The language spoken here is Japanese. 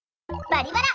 「バリバラ」！